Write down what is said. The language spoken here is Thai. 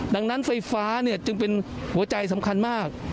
ดังนั้นไฟฟ้าจึงเป็นหัวใจสำคัญมาก